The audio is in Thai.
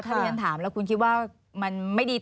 ถ้าเรียนถามแล้วคุณคิดว่า